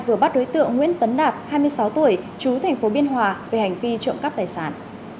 vừa bắt đối tượng nguyễn tấn đạt hai mươi sáu tuổi chú thành phố biên hòa về hành vi trộm cắp tài sản